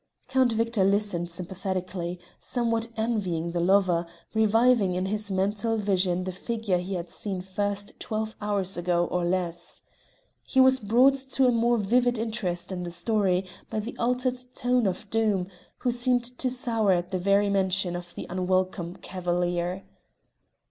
Count Victor listened sympathetically, somewhat envying the lover, reviving in his mental vision the figure he had seen first twelve hours ago or less. He was brought to a more vivid interest in the story by the altered tone of Doom, who seemed to sour at the very mention of the unwelcome cavalier.